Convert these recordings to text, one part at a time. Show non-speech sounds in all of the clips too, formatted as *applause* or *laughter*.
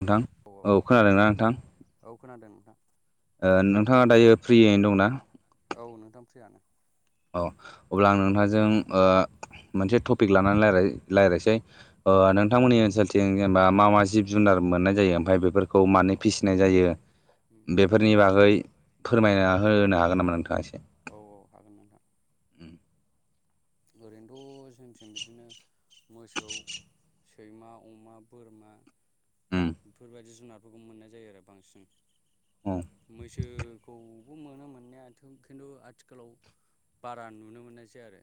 नोंथां औ। औ खोनादों नोंथां। ओ नोंथाङा दायो फ्रियैनो दंना? औ नोंथां फ्रियानो। औ अब्ला आं नोंथांजों ओ मोनसे टपिक लानानै लाइराय रायज्लायसै। ओ नोंथांमोननि ओनसोलथिं जेनेबा मा मा जिब जुनार मोननाय जायो ओमफ्राय बेफोर खौ मानो औ फिसिनाय जायो उम बे बेफोरनि बागै फोरमायना होनो हागोन नामा नोंथाङा एसे। औ-औ हागोन नोंथां। ओरैनोथ' जोंथिं बिदिनो मोसौ सैमा अमा बोरमा ओम। बेफोरबायदि जुनारफोरखौ मोननाय जायो आरो बांसिन। उम मैसोखौबो मोनो मोननायाथों खिन्थु आथिखालाव बारा नुनो मोननायसै आरो।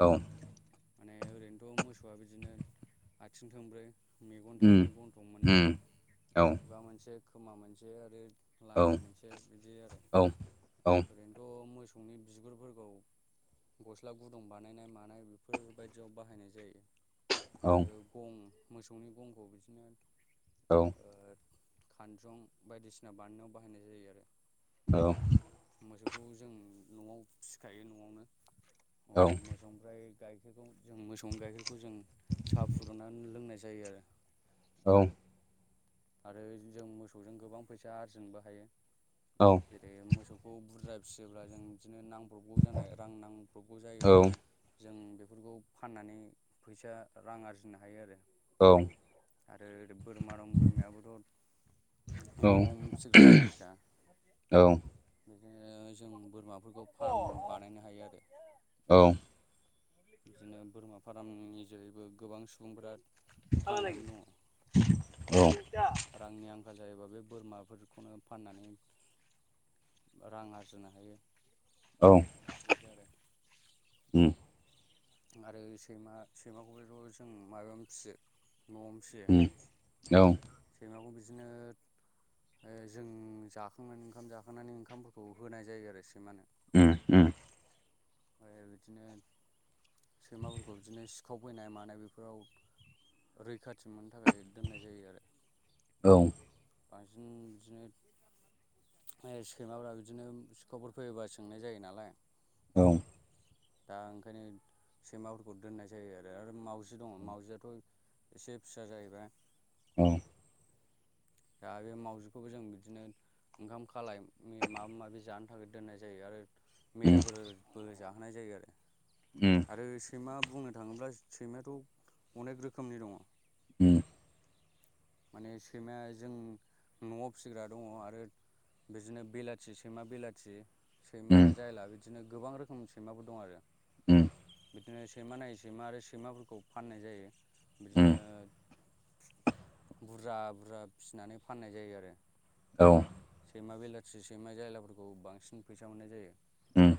औ। माने ओरैनोथ' मोसौआ बिदिनो आथिं थोंबै् मेगन उम थाइनै गन्थं मोननै उम औ खुगा मोनसे खोमा मोनसे आरो औ लान्जाय मोनसे बिदि आरो औ औ ओरैनो थ' मोसौनि बिगुरफोरखौ गस्ला गुदुं बानायनाय मानाय बे फोरबायदियाव बाहायनाय जायो। औ आरो गं मोसौनि गंखौ बिदिनो औ। ओ खानजं बायदिसिना बानायनायाव बाहायनाय जायो आरो। औ। मोसौखौ जों न'आव फिसिखायो न'आवनो औ अ मोसौ ओमफ्राय गाइखेरखौ जों मोसौनि गाइखेरखौ जों साहा फुदुंनानै लोंनाय जायो आरो। औ। आरो जों मोसौजों गोबां फैसा आरजिनोबो हायो। औ। जेरै मोसौखौ बुरजा फिसियोब्ला जों बिदिनो नांब्रबगौ जानाय रां नांब्रबगौ जायोबा जों बेफोरखौ फाननानै फैसा रां आरजिनो हायो आरो। आरो बोरमा दं बोरमायाबोथ' न'वावनो फिग्रा जिनिसखा। औ बिदिनो जों बोरमाफोरखौ फार्म बानायनो हायो आरो। औ। बिदिनो बोरमा फार्मनि जेरैबो गोबां सुबुंफोरा थांनानै दङ। औ रांनि आंखाल जायोबा बे बोरमाफोरखौनो फाननानै रां आरजिनो हायो। औ बिदि आरो उम आरो सैमा सैमाखौबोथ' जों माबायावनो फियो न'आवनो। फिसियो उम औ। सैमाखौ बिदिनो ओ जों जाखांनानै ओंखाम जाखांनानै ओंखामफोरखौ होनाय जायो आरो सैमानो। उम-उम। *unintelligible* बिदिनो सैमाफोरखौ बिदिनो सिखाव फैनाय मानाय बेफोराव रैखाथि मोननो थाखाय दोननाय जायो आरो। औ। बांसिन दिनो *unintelligible* सैमाफ्रा बिदिनो सिखावफोर फैयोबा सोंनाय जायो नालाय। औ दा ओंखायनो सैमाफोरखौ दोननाय जायो आरो आरो मावजि दङ मावजियाथ' एसे फिसा जाहैबाय। उम। दा बे मावजिखौबो जों बिदिनो ओंखाम खालाय मे माबा माबि जानो थाखाय दोननाय जायो आरो। उम मेथाइफोरबो जाहोनाय जायो आरो। उम। ओ सैमा बुंनो थाङोब्ला सैमायाथ' अनेक रोखोमनि दङ। उम। माने सैमाया जों न'आव फिसिग्रा दङ आरो बिदिनो बिलाथि सैमा बिलाथि सैमा उम जायला बिदिनो गोबां रोखोमनि सैमाबो दं आरो। उम। बिदिनो सैमा नायै सैमा आरो सैमाफोरखौ फाननाय जायो बिदिनो उम बुरजा-बुरजा फिसिनानै फाननाय जायो आरो। औ। सैमा बेलाथि सैमा जायलाफोरखौ बांसिन फैसा मोननाय जायो। उम।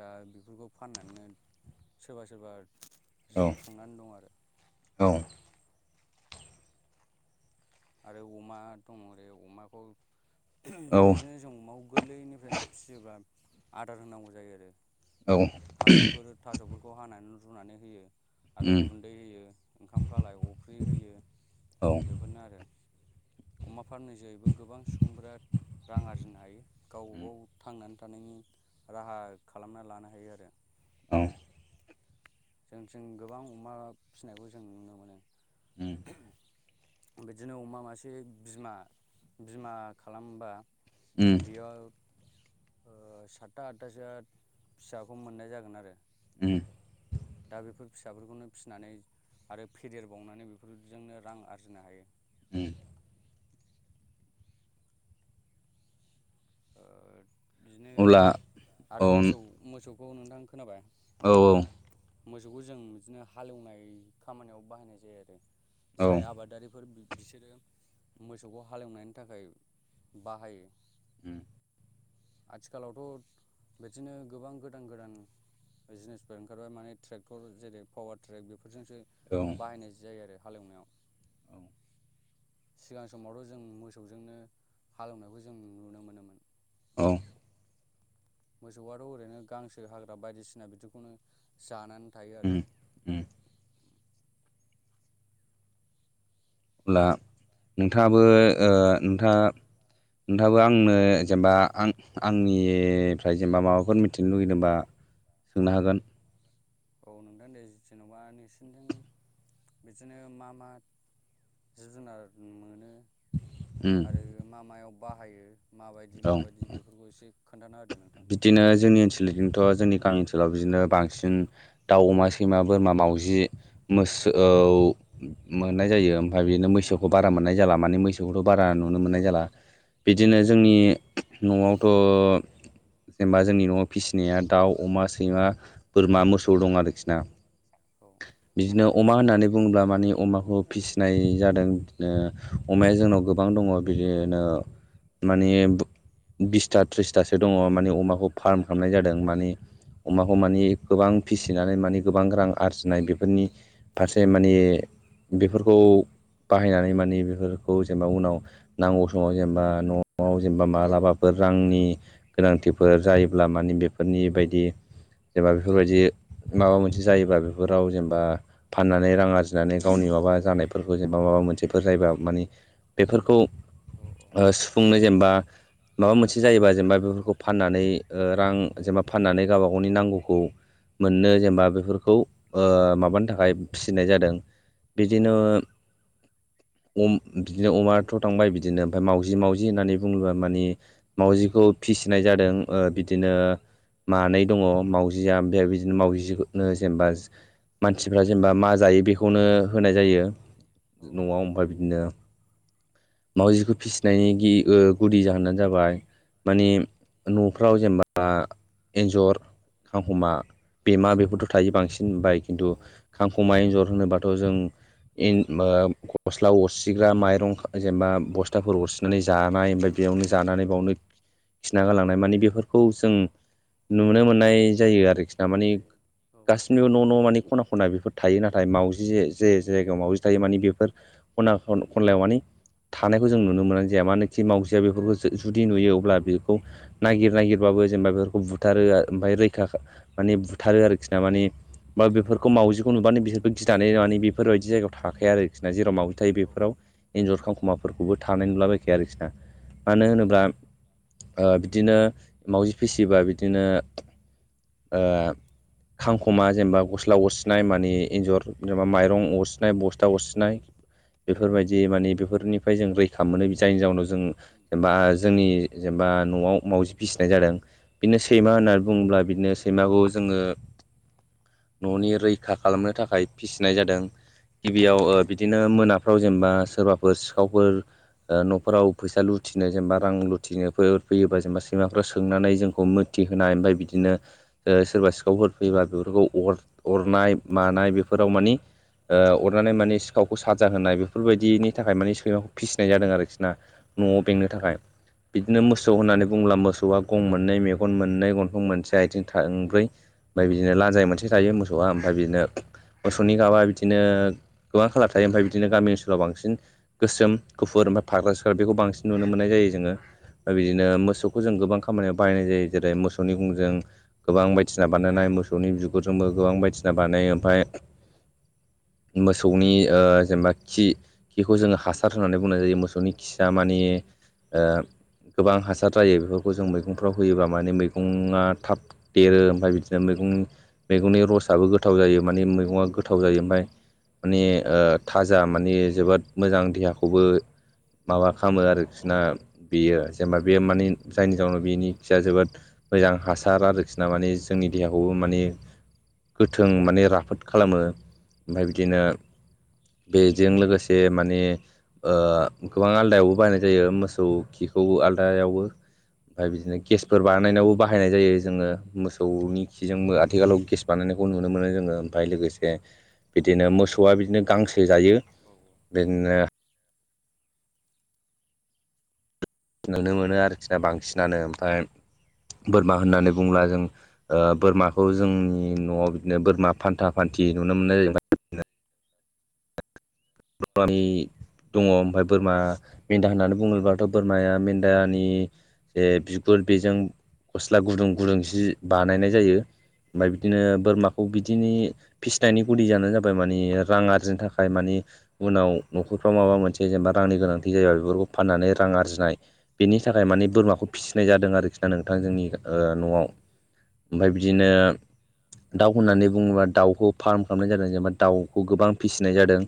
दा बेफोरखौ फाननानैनो सोरबा-सोरबा जिउ औ खुंनानै दं आरो। औ। आरो अमा दङ ओरै अमाखौ *unintelligible* बिदिनो। जों अमाखौ गोरलैनिफ्राय फिसियोब्ला आदार होनांगौ जायो आरो। उम औ उम औ थास'फोर-थास'फोरखौ हानानै रुनानै होयो आरो गुन दै होयो ओंखाम खालाय अफ्रि होयो बेफोरनो आरो। अमा फाननाय जैबो गोबां सुबुंफ्रा रां आरजिनो हायो गाव-गाव थांनानै थानायनि राहा खालामना लानो हायो आर रो। औ जोंनिथिं गोबां अमा फिसिनायखौ जों नुनो मोनो। उम। *unintelligible* बिदिनो अमा मासे बिमा-बिमा खालामबा। उम उम बियल ओ सातथा आदथासोआ फिसाखौ मोननाय जागोन आरो। उम। दा बेफोर फिसाफोरखौनो फिसिनानै आरो फेदेरबावनानै बेफोरजोंनो रां आरजिनो हायो। उम। ओ बिदिनो अब्ला आरो औ मोसौ-मोसौखौ नोंथां खोनाबाय? औ-औ। मोसौखौ जों बिदिनो हालेवनाय खामानियाव बाहायनाय जायो आरो।। औ जाय आबादारिफोर बिसोरो मोसौखौ हालेवनायनि थाखाय बाहायो। उम। आथिखालावथ' बिदिनो गोबां गोदान गोदान जिनिसफोर ओंखारबाय माने ट्रेक्टर जेरै पावार ट्रेलार बेफोरजोंसो *inaudible* बाहायनाय जायो आरो हालेवनायाव। सिगां समावथ' जों मोसौजोंनो हालौवनायखौ जों नुनो मोनोमोन। औ। मोसौआथ' ओरैनो गांसो हाग्रा बायदिसिना बिदिखौनो जानानै थायो उम आरो। अब्ला नोंथाङाबो ओ नोंथाङा नोंथाङाबो आंनो जेनेबा आं आंनिफ्राय जेनेबा माबाफोर मिथिनो लुगैदोंबा सोंनो हागोन। औ नोंथां दे जेन'बा नोंसोरजों बिदिनो मा मा जिब जुनार मोनो। उम आरो मा मायाव बाहायो माबायदि औ माबायदि बेखौ बफोरखौ एसे खोन्थाना होदो नोंथां। बिदिनो जोंनि ओनसोलजोंथ' जोंनि गामि ओनसोलाव बिदिनो बांसिन दाउ, अमा, सैमा, बोरमा, मावाजि, मोसौ मोननाय जायो। ओमफ्राय बिदिनो मोसौखौ बारा मोननाय जाला माने मैसौ बेखौथ' बारा औ नुनो मोननाय जाला। बिदिनो उम जोंनि न'आवथ' जेनेबा जोंनि न'आव फिसिनाया दाउ, अमा, सैमा, बोरमा, मोसौ दं आरोखि ना। औ। बिदिनो अमा होननानै बुङोब्ला माने अमाखौ फिसिनाय जादों बिदिनो अमाया जोंनाव गोबां दङ बिदिनो मानि बु बिसथा थ्रिसथासो दङ माने अमाखौ फार्म खालामनाय जादों माने। अमाखौ मानिे गोबां फिसिनानै माने गोबां रां आरजिनाय बेफोरनि फारसे माने बेफोरखौ बाहायनानै माने बेफोरखौ जेनेबा उनाव नांगौ समाव जेनेबा न'आव जेनेबा मालाबाफोर रांनि गोनांथि फोर जायोब्ला माने बेफोरनि बायदि जेनेबा बेफोरबायदि माबा मोनसे जायोबा बेफोराव जेनेबा फाननानै रां आरजिनानै गावनि माबा जानायफोरखौ जेनेबा माबा मोनसेफोर जायोबा माने बेफोरखौ औ ओ सुफुंनो जेनेबा माबा औ मोनसे जायोबा जेनेबा बेफोरखौ फाननानै ओ रां उम जेनेबा फाननानै गावबा गावनि नांगौखौ मोननो जेनेबा बेफोरख खौ ओ माबानो थाखाय फिसिनाय जादों। औ बिदिनो *inaudible* अम बिदिनो अमायाथ' थांबाय बिदिनो ओमफ्राय मावजि मावजि होननानै बुङोब्ला मानि मावाउजिखौ फिसिनाय जादों। ओ बिदिनो मानै दङ मावजिया। ओमफ्राय बिदिनो मावजिखौनो जेनेबा ज मानसिफ्रा जेनेबा मा जायो बेखौनो होनाय जायो। न'आव ओमफाय बिदिनो मावाउजिखौ फिसिनायनि गि ओ गुदि जाहोनानो जाबाय माने न'फ्राव जेनेबा एन्जर खांखमा बेमा बेफोरथ' थायो बांसिन मोनबाय औ खिन्थु खांखमा एन्जर होनोबाथ' जों इन मो गस्ला अरसिग्रा माइरं जेनेबा बस्थाफोर अरसि नानै जानाय ओमफ्राय बेयावनो जानानै बावनो खिना गालांनाय मानि बेफोरखौ जों नुनो मोननाय जायो आरोखि ना माने औ औ गासिनिबो न' न' माने ख'ना ख'ना बेफोर थायो नाथाय मावजि जे जायगायाव मावाजि थायो माने बेफोर ख'ना ख'न ख'नलायाव मानि थानायखौ जों औ नुनो मोननाय जाया। मानोखि मावजिया बेफोरखौ जुदि नुयो अब्ला बे खौ नागिर नागिरबाबो जेनेबा बेफोरखौ बुथारो ओमफ्राय रैखा माने बुथारो आरोखि ना माने बा बेफोरखौ माउजिखौ नुबानो बिसोरबो गिनानै नुनानै बेफोरबायदि जायगायाव थाखाया आरोखिना जेराव मावजि नाथाय औ बेफोराव एन्जर खांखुमाफोरखौबो थानाय नुलाबायखाया आरोखिना मानो उम होनोब्ला ओ बिदिनो मावजि फिसिबा बिदिनो ओ खांख'मा जेनेबा गस्ला अरसिनाय मानि एन्जर जेनेबा माइरं अरसिनाय बसथा अरसिनाय *inaudible* बेफोरबायदि माने बेफोरनिफ्राय जों रैखा मोनो जायनि जाउनाव जों उम उम एबा जोंनि जेनबा न'आव मावजि फिसिनाय जादों बिदिनो औ सैमा होननानै बुङोब्ला बिदिनो सैमाखौ जोङो न'नि रैखा खालामनो थाखाय फिसिनाय जादों। गिबियाव ओ बिदिनो मोनाफ्राव जेनबा सोरबाफोर सिखावफोर ओ न'फोराव फैसा लुथिनो जेनेबा रां लु थिनो फैयोबा जेनेबा सैमाफ्रा सोंनानै जोंखौ मोथि होनाय ओमफ्राय बिदिनो ओ सोरबा सिखावफोर फैयोबा बेफोरखौ अर अरनाय मानाय बेफोराव मानि ओ अरनानै माने सिखावखौ साजा होनाय बेफोरबायदिनि थाखाय माने सैमाखौ फिसिनाय जादों आरोखि ना? न'आव बेंनो थाखाय बिदिनो थाखाय मोसौ होननानै बुङोब्ला मोसौआ गं मोननै मेगन मोननै गन्थं मोनसे आथिं थोंब्रै ओमफ्राय बिदिनो लान्जाइ मोनसे थायो मोसौआ ओमफ्राय बिदिनो मोसौनि गाबा बिदिनो गोबां खालार थायो ओमफ्राय बिदिनो गामि ओनसोलाव बांसिन गोसोम माने गुफुर ओमफ्राय फाग्रा सिख्रा बेखौ बांसिन नुनो मोननाय जायो जोङो ओमफ्राय बिदिनो मोसौखौ खौ जों गोबां खामानियाव बाहायनाय जायो जेरै मोसौनि गुंजों गोबां बायदिसिना बानायनाय मोसौनि बिगुरजोंबो गोबां बायदिसिना बानायो ओमफाय मोसौनि ओ जेनेबा खि बेखौ जोङो हासार होननानै बुंनाय जायो मोसौनि खिया मानि ओ गोबां हासार जायो बेफोरखौ जों मैगंफ्राव होयोबा माने मैगङा थाब देरो ओमफ्राय बिदिनो मैगं मैगंनि रसाबो गोथाव जायो मानि मैगङा गोथाव जायो ओमफाय माने ओ थाजा माने जोबोद मोजां देहाखौबो माबा खालामो आरोखिना बेयो जेनेबा बेयो माने जायनि जाहोनाव बिनि खिया जोबोद मोजां हासार आरोखिना माने जोंनि देहाखौबो माने गोथों माने राफोद खालामो ओमफाय बिदिनो बेजों लोगोसे माने ओ गोबां आलदायावबो बायनाय जायो मोसौ खौ आलदायावबो ओमफ्राय बिदिनो गेसफोर बानायनायावबो बाहायनाय जायो जोङो मोसौनि खिजोंबो रां आथिखालाव गेस बानायनायखौ नुनो मोनो जोङो ओमफ्राय लोगोसे बिदिनो मोसौआ बिदिनो गांसो जायो आरजिनो बिदिनो नुनो मोनो आरोखि ना बांसिनानो ओमफाय बोरमा होननानै बुंब्ला जों ओ बोरमाखौ जोंनि न'आव बिदिनो बोरमा फान्था फान्थि नुनो मोननाय जायो *inaudible* *unintelligible* दङ ओमफ्राय बोरमा मेन्दा होननानै बुङोबोबाथ' बोरमाया मेन्दानि जे बिगुर बेजों गस्ला गुदुं गुदुं जि बानायनाय जायो। ओमफाय बिदिनो बोरमाखौ बिदिनि फिसिनायनि गुदि जाहोनानो जाबाय मानि रां आरि *unintelligible* थाखाय मानि उनाव न'खरफ्राव माबा मोनसे जेनेबा रांनि गोनांथि जायोबा बेफोरखौ फाननानै रां आरजिनाय बेनि थाखाय माने औ बोरमाखौ फिसिनाय जादों आरोखि ना नोंथां जोंनि ओ औ न'आव। औ उम ओमफाय बिदिनो दाउ होननानै बुङोबा दाउखौ फार्म खालामनाय जादों जेनेबा दाउखौ गोबां फिसिनाय जादों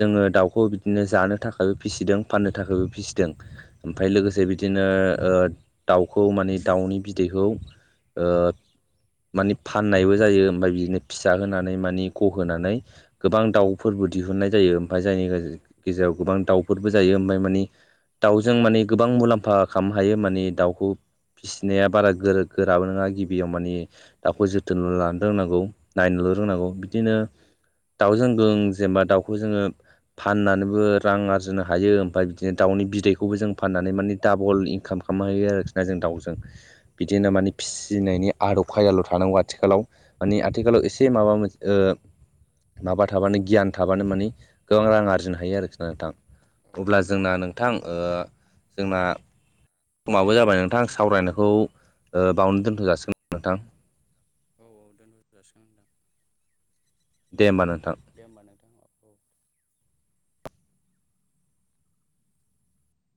जोङो दाउखौ बिदिनो जानो थाखायबो फिसिदों फाननो थाखायबो फिसिदों। ओमफ्राय लोगोसे बिदिनो ओ दाउखौ माने दाउनि बिदैखौ ओ मानि फाननायबो जायो ओमफाय बिदिनो फिसा होनानै मानि गहोनानै गोबां दाउ फोरबो दिहुननाय जायो ओमफाय जायनि गेजेराव गोबां दाउफोरबो जायो ओमफाय मानि दाउजों माने गोबां मुलाम्फा खालामनो हायो माने दाउखौ फिनाया बारा गोर-गोराबो नङा गिबियाव माने दाउखौ जोथोनल' लानो रोंनांगौ। नायनोल' औ रोंनांगौ उम बिदिनो दाउजों गों जेनेबा दाउखौ जोङो फाननानैबो रां आरजिनो हायो ओमफाय बिदिनो दाउनि बिदैखौबो जों फाननानै माने डाबल इनकाम खामनो हायो आरोखि ना जों दाउजों औ बिदिनो माने फिसिनायनि आदब खायदाल' थानांगौ आथिखालाव मानि आथिखालाव एसे से माबा मोन ओ माबा थाबानो गियान थाबानो मानि गोबां रां आरजिनो हायो आरोखि ना नोंथां अब्ला जोंना नों थां ओ जोंना समाबो जाबाय नोंथां सावरायनायखौ ओ बावनो दोनथ' जासिगोन नोंथां औ औ दोनथ' जासिगोन नोंथां दे होमबा नोंथा दे होमबा नोंथां औ औ